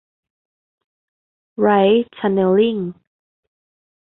ไร้ท์ทันเน็ลลิ่ง